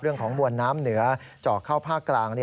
เรื่องของบวนน้ำเหนือเจาะเข้าภาคกลาง